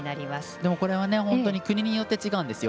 でも、これは本当に国によって違うんですよ。